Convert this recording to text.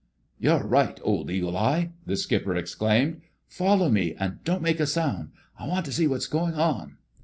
"You're right, old Eagle eye!" the skipper exclaimed. "Follow me, and don't make a sound. I want to see what's going on."